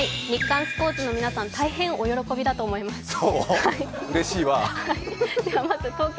日刊スポーツの皆さん、大変お喜びだと思います。